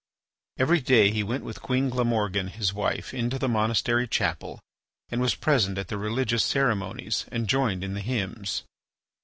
Every day he went with Queen Glamorgan, his wife, into the monastery chapel and was present at the religious ceremonies and joined in the hymns.